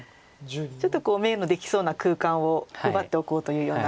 ちょっと眼のできそうな空間を奪っておこうというような。